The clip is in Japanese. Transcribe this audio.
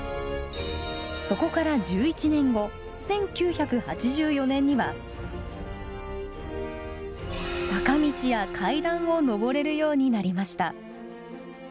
そこから１１年後１９８４年には坂道や階段をのぼれるようになりました。